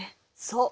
そう。